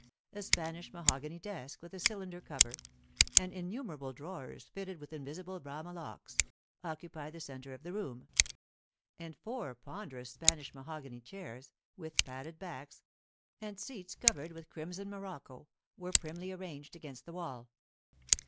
A Spanish mahogany desk with a cylinder cover, and innumerable drawers fitted with invisible Bramah locks, occupied the centre of the room; and four ponderous Spanish mahogany chairs, with padded backs, and seats covered with crimson morocco, were primly ranged against the wall.